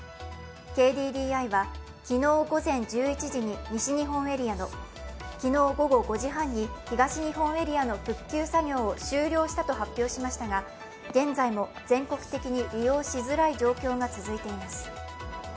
ＫＤＤＩは昨日午前１１時に西日本エリアの昨日午後５時半に東日本エリアの復旧作業を終了したと発表しましたが現在も全国的に利用しづらい状況が続いています。